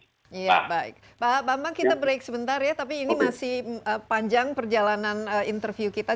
iya baik pak bambang kita break sebentar ya tapi ini masih panjang perjalanan interview kita